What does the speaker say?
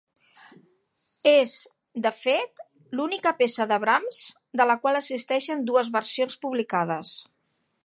És, de fet, l'única peça de Brahms de la qual existeixen dues versions publicades.